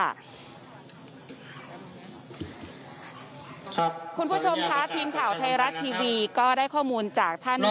คุณผู้ชมค่ะทีมข่าวไทยรัฐทีวีก็ได้ข้อมูลจากท่าน